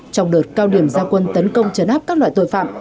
trong đợt cao điểm gia quân tấn công chấn áp các loại tội phạm